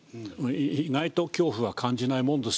意外と恐怖は感じないもんですよ。